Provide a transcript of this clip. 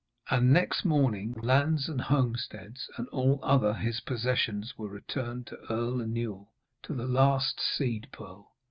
And next morning the lands and homesteads and all other his possessions were returned to Earl Inewl, to the last seed pearl.